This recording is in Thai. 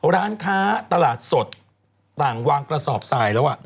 หายหนักเพราะร้านค้าตลาดสดต่างวางกระสอบทรายแล้ว